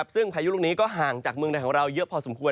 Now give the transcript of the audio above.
ซึ่งพายุลูกนี้ก็ห่างจากเมืองไทยของเราเยอะพอสมควร